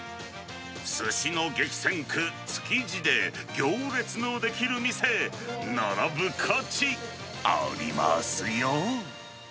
すしの激戦区、築地で行列の出来る店、並ぶ価値ありますよ。